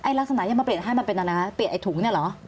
ลักษณะยังมาเปลี่ยนให้มันเป็นอะไรคะเปลี่ยนไอ้ถุงเนี่ยเหรอ